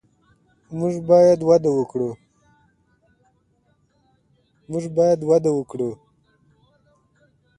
موږ باید وده ورکړو.